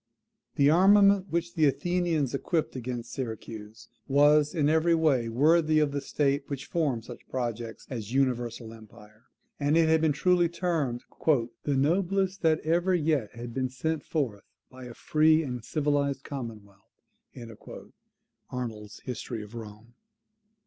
The armament which the Athenians equipped against Syracuse was in every way worthy of the state which formed such projects of universal empire; and it has been truly termed "the noblest that ever yet had been sent forth by a free and civilized commonwealth." [Arnold's History of Rome.